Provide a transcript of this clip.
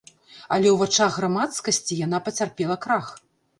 Але ў вачах грамадскасці яна пацярпела крах.